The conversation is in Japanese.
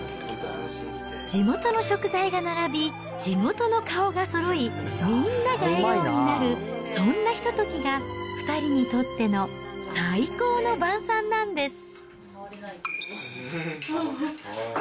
地元の食材が並び、地元の顔がそろい、みんなが笑顔になる、そんなひとときが、２人にとっての最高の晩さんなんです。